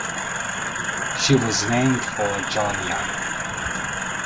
She was named for John Young.